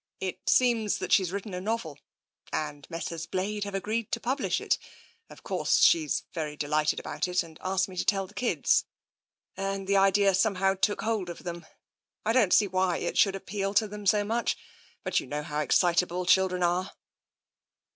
It seems that she's written a novel, and Messrs. Blade have agreed to publish it. Of course, she's very delighted about it, and asked me to tell the kids, and the idea somehow took hold of them. I don't see quite why it should appeal to them so much, but you know how excitable children are.